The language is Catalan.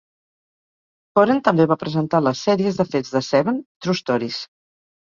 Coren també va presentar les sèries de fets de Seven, "True Stories".